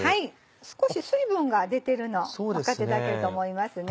少し水分が出てるの分かっていただけると思います。